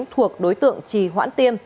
thuộc đối tượng trì hoãn tiêm